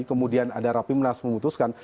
kemudian ada rapi munas memutuskan